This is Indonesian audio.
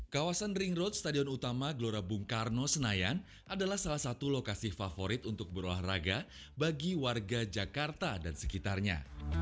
kawasan ring road stadion utama gelora bung karno senayan adalah salah satu lokasi favorit untuk berolahraga bagi warga jakarta dan sekitarnya